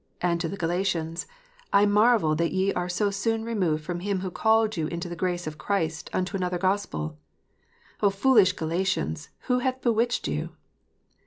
and to the Galatians, " I marvel that ye are so soon removed from Him who called you into the grace of Christ unto another Gospel ;"" foolish Galatians, who hath bewitched you?"